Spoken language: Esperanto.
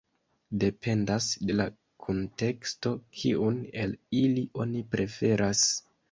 Dependas de la kunteksto, kiun el ili oni preferas.